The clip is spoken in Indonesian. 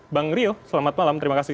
bang rio selamat malam terima kasih